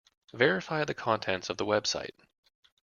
Verify the contents of the website.